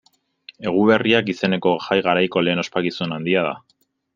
Eguberriak izeneko jai-garaiko lehen ospakizun handia da.